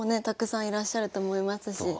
たくさんいらっしゃると思いますし。